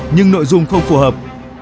nhưng nội dung không phù hợp